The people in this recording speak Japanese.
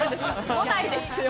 来ないですよ。